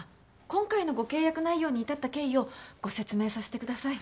今回のご契約内容に至った経緯をご説明させてください。